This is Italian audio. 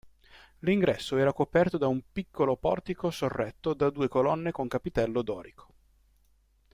L'ingresso era coperto da un piccolo portico sorretto da due colonne con capitello dorico.